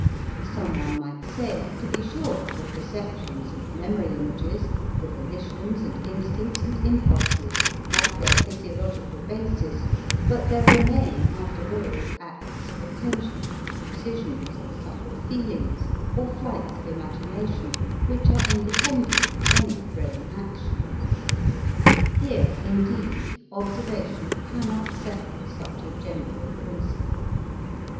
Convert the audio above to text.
Someone might say, to be sure, the perceptions and memory images, the volitions and instincts and impulses, have their physiological basis, but there remain after all acts of attention, or decisions, or subtle feelings, or flights of imagination, which are independent of any brain action. Here, indeed, observation cannot settle such a general principle.